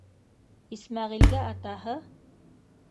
Исмәғилгә атаһы: